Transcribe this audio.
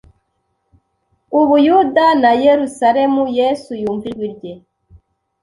u Buyuda na Yerusalemu Yesu yumva ijwi rye